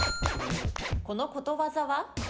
このことわざは？